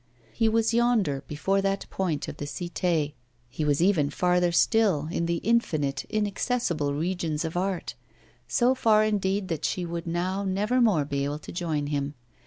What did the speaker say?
He was yonder before that point of the Cité, he was even farther still, in the infinite inaccessible regions of art; so far, indeed, that she would now never more be able to join him!